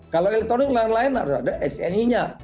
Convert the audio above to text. kalau elektronik lain lain harus ada sni nya